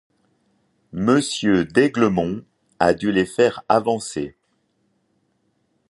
Monsieur d’Aiglemont a dû les faire avancer...